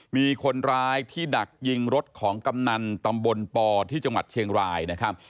มีคนร้ายที่ดักยิงรถของกำนันตำบลปที่จังหวัดเชียงรายนะครับ